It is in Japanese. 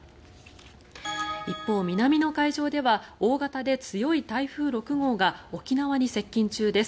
一方、南の海上では大型で強い台風６号が沖縄に接近中です。